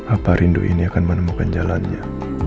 apa rindu ini akan menemukan jalannya